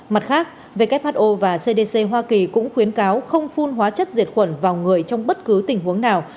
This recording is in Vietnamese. mặt khác who và cdc hoa kỳ cũng khuyến cáo không phun hóa chất diệt khuẩn vào người trong bất cứ tình huống nào